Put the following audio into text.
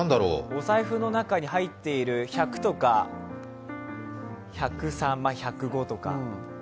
お財布の中に入っている１００とか１０３、１０５とか。